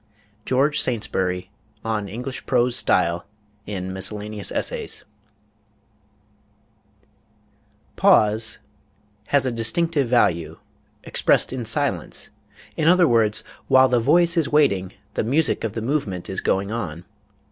GEORGE SAINTSBURY, on English Prose Style, in Miscellaneous Essays. ... pause ... has a distinctive value, expressed in silence; in other words, while the voice is waiting, the music of the movement is going on